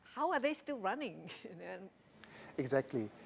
wow bagaimana mereka masih berjalan